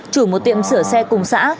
chủ một tiệm sửa xe cùng xã